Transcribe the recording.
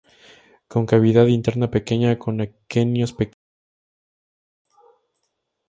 Con cavidad interna pequeña, con aquenios pequeños y pocos.